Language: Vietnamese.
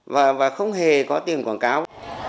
và không hề có tiền quảng cáo